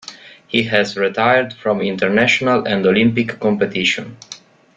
He has retired from international and Olympic competition.